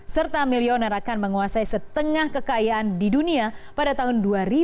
serta milioner akan menguasai setengah kekayaan di dunia pada tahun dua ribu dua puluh